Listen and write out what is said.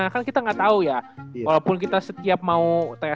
kan kita gak tau ya walaupun kita setiap mau tese